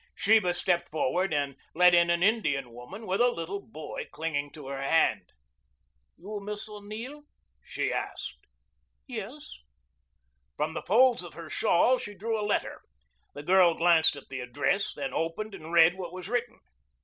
Sheba stepped forward and let in an Indian woman with a little boy clinging to her hand. "You Miss O'Neill?" she asked. "Yes." From the folds of her shawl she drew a letter. The girl glanced at the address, then opened and read what was written.